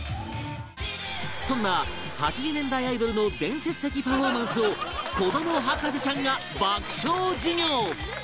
そんな８０年代アイドルの伝説的パフォーマンスを子ども博士ちゃんが爆笑授業